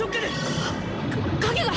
かっ影が！